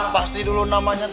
pasti dulu namanya revo